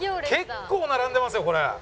結構並んでますよこれ。